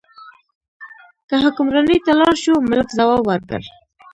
که حکمرانۍ ته لاړ شو، ملک ځواب ورکړ.